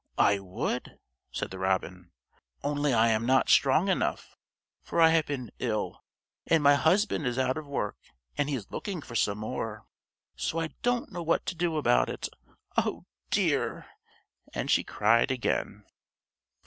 "I would," said the robin, "only I am not strong enough, for I have been ill, and my husband is out of work and he is looking for some. So I don't know what to do about it. Oh, dear!" and she cried again.